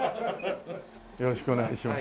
よろしくお願いします。